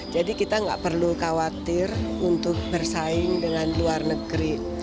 jadi kita tidak perlu khawatir untuk bersaing dengan luar negeri